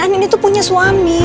andieng itu punya suami